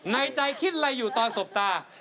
ในใจคิดอะไรอยู่ตอนสบตา